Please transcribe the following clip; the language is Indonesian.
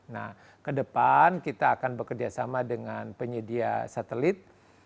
nah ke depan kita akan bekerjasama dengan penyedia satelit